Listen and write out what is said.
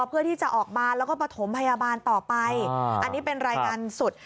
เพื่อที่จะออกมาแล้วก็ประถมพยาบาลต่อไปอันนี้เป็นรายงานสด